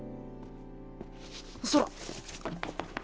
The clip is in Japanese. そら。